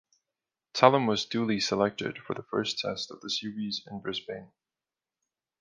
Tallon was duly selected for the First Test of the series in Brisbane.